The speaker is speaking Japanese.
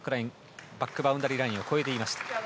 バックバウンダリーラインを越えていました。